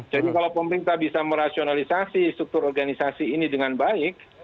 jadi kalau pemerintah bisa merasionalisasi struktur organisasi ini dengan baik